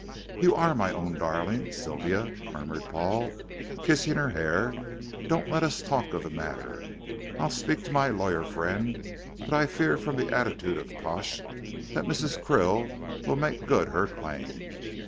"You are my own darling, Sylvia," murmured Paul, kissing her hair; "don't let us talk of the matter. I'll speak to my lawyer friend, but I fear from the attitude of Pash that Mrs. Krill will make good her claim.